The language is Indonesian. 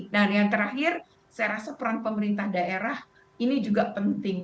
nah yang terakhir saya rasa peran pemerintah daerah ini juga penting